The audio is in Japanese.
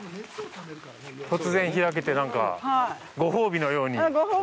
突然開けて、ご褒美のように。